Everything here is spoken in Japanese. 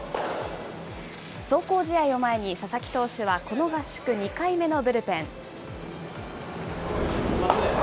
壮行試合を前に佐々木投手はこの合宿２回目のブルペン。